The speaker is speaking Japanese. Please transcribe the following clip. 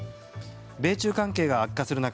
米中関係が悪化する中